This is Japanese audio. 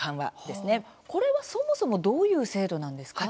これは、そもそもどういう制度なんですか？